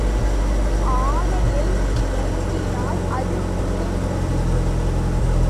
ஆனையை நோண்டினால் அது உன்னை நோண்டிவிடும்.